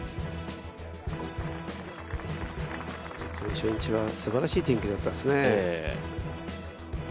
初日はすばらしい天気だったですね。